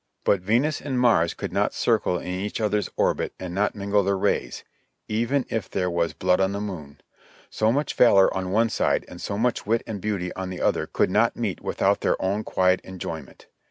But Venus and Mars could not circle in each other's orbit and not mingle their rays, even if there was "blood on the moon," So much valor on one side and so mnch wit and beauty on the other could not meet without their own quiet enjoyment.